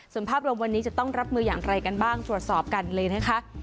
ส่วนภาพรวมวันนี้จะต้องรับมืออย่างไรกันบ้างตรวจสอบกันเลยนะคะ